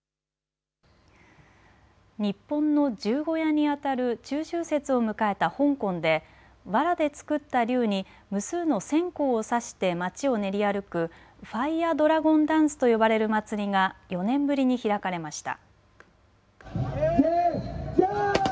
日本の十五夜にあたる中秋節を迎えた香港でわらで作った竜に無数の線香を差して街を練り歩くファイア・ドラゴン・ダンスと呼ばれる祭りが４年ぶりに開かれました。